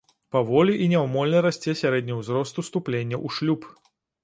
Паволі і няўмольна расце сярэдні ўзрост уступлення ў шлюб.